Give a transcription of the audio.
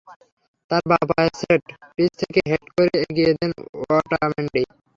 তাঁর বাঁ পায়ের সেট পিস থেকে হেড করে এগিয়ে দেন ওটামেন্ডি।